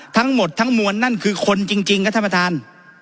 ทั้งหมดทั้งมวลนั่นคือคนจริงรัฐบาทาน